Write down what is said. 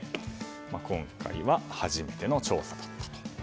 今回は初めての調査だったと。